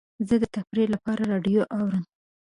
زه د تفریح لپاره راډیو اورم.